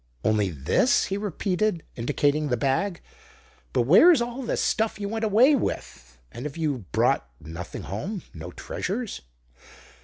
"Only this?" he repeated, indicating the bag. "But where's all the stuff you went away with? And have you brought nothing home no treasures?"